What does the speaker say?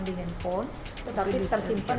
di handphone tetapi tersimpan